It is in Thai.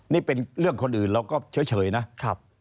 นี่เป็นเรื่องคนอื่นเราก็เฉยนะครับ